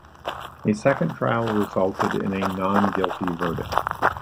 A second trial resulted in a not-guilty verdict.